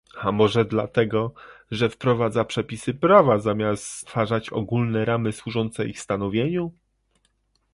A może dlatego, że wprowadza przepisy prawa zamiast stwarzać ogólne ramy służące ich stanowieniu?